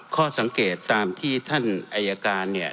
ข้อสังเกตตามที่ท่านอายการเนี่ย